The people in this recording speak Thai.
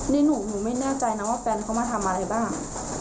นี่หนูไม่แน่ใจนะว่าแฟนเขามาทำอะไรบ้าง